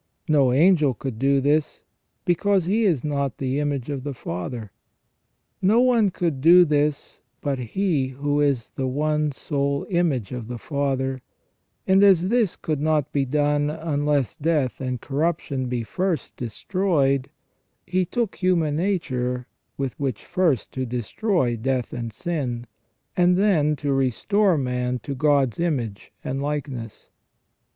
No angel could do this, because he is not the image of the Father. No one could do this but He who is the one sole image of the Father ; and as this could not be done unless death and corruption be first destroyed, He took human nature with which first to destroy death and sin, and then to restore man to God's image and likeness.